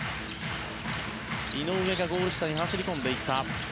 井上がゴール下に走り込んでいった。